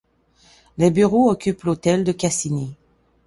Les bureaux occupent l'hôtel de Cassini.